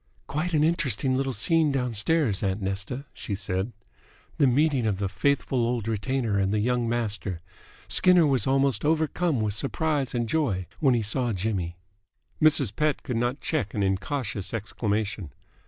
"Quite an interesting little scene downstairs, aunt Nesta," she said. "The meeting of the faithful old retainer and the young master. Skinner was almost overcome with surprise and joy when he saw Jimmy!" Mrs. Pett could not check an incautious exclamation.